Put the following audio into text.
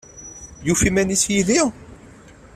Yufa iman-is yid-i?